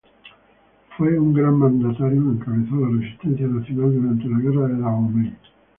Fue un gran mandatario que encabezó la resistencia nacional durante la Guerra de Dahomey.